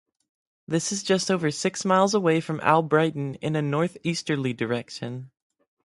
This is just over six miles away from Albrighton in a North-Easterly direction.